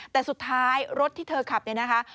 แต่สุดท้ายรถที่เธอขับเนี่ยนะคะ